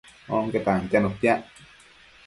Onque tantianu piac